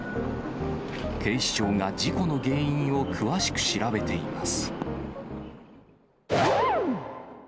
警視庁が事故の原因を詳しく調べています。